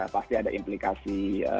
pasti ada implikasi